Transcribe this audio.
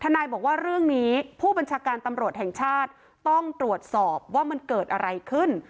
นายบอกว่าเรื่องนี้ผู้บัญชาการตำรวจแห่งชาติต้องตรวจสอบว่ามันเกิดอะไรขึ้น